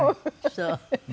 そう。